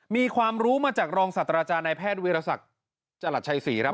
มีความรู้มาจากรองศาสตราจารย์ในแพทย์วิทยาศักดิ์จรัสชัย๔ครับ